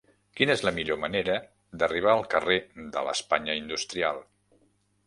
Quina és la millor manera d'arribar al carrer de l'Espanya Industrial?